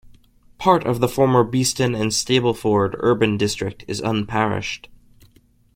Part of the former Beeston and Stapleford Urban District is unparished.